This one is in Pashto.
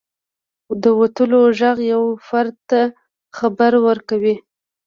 • د وتلو ږغ یو فرد ته خبر ورکوي.